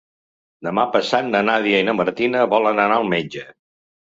Demà passat na Nàdia i na Martina volen anar al metge.